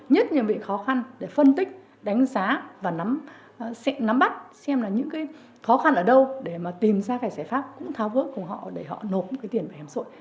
nhất nhân viên khó khăn để phân tích đánh giá và nắm bắt xem là những khó khăn ở đâu để mà tìm ra cái giải pháp cũng thao vớt cùng họ để họ nộp cái tiền bảo hiểm xã hội